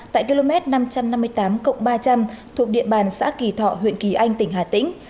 tại km năm trăm năm mươi tám ba trăm linh thuộc địa bàn xã kỳ thọ huyện kỳ anh tỉnh hà tĩnh